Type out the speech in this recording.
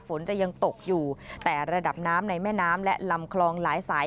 ฝนจะยังตกอยู่แต่ระดับน้ำในแม่น้ำและลำคลองหลายสาย